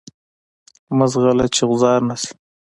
مه ځغله چی غوځار نه شی.